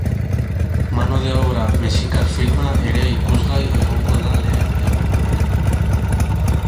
Mano de obra mexikar filma ere ikusgai egongo da lehen egun honetan.